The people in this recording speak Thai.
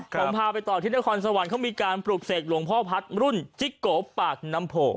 ผมพาไปต่อที่นครสวรรค์เขามีการปลูกเสกหลวงพ่อพัฒน์รุ่นจิโกปากน้ำโพ